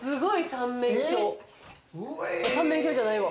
三面鏡じゃないわ。